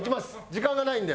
時間がないんで。